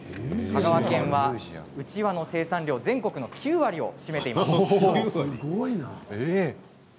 香川県はうちわの生産量全国の９割を占めています。